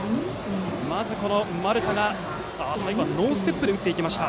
まず丸田がノーステップで打っていきました。